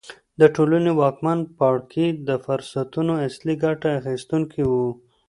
د ټولنې واکمن پاړکي د فرصتونو اصلي ګټه اخیستونکي وو.